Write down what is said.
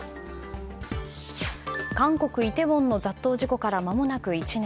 韓国イテウォンの雑踏事故から間もなく１年。